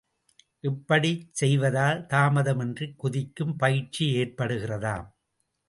இப்படிச் செய்வதால் தாமதமின்றிக் குதிக்கும் பயிற்சி ஏற்படுகிறதாம்.